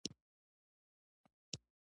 د ای ټي ایم ماشینونه فعال دي؟